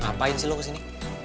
apain sih lo kesini